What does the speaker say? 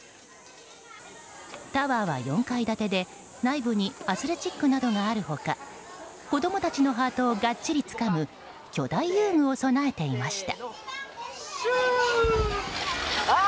タワーは４階建てで内部にアスレチックなどがある他子供たちのハートをがっちりつかむ巨大遊具を備えていました。